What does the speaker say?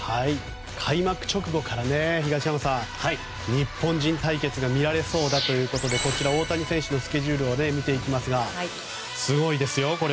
開幕直後から、東山さん日本人対決が見られそうだということで大谷選手のスケジュールを見ていきますがすごいですよ。